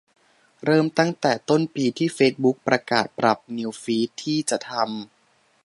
เริ่มตั้งแต่ต้นปีที่เฟซบุ๊กประกาศปรับนิวส์ฟีดที่จะทำ